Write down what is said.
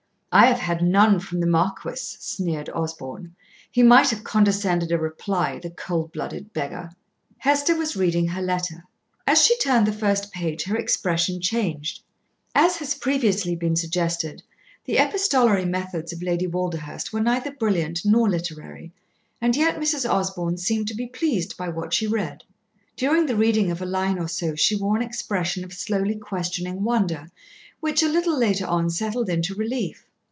"I have had none from the Marquis," sneered Osborn. "He might have condescended a reply the cold blooded beggar!" Hester was reading her letter. As she turned the first page her expression changed. As has previously been suggested, the epistolary methods of Lady Walderhurst were neither brilliant nor literary, and yet Mrs. Osborn seemed to be pleased by what she read. During the reading of a line or so she wore an expression of slowly questioning wonder, which, a little later on, settled into relief.